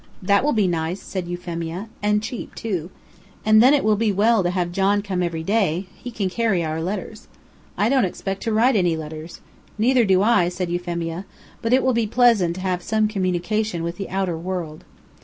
"That will be nice," said Euphemia, "and cheap, too. And then it will be well to have John come every day; he can carry our letters." "I don't expect to write any letters." "Neither do I," said Euphemia; "but it will be pleasant to have some communication with the outer world."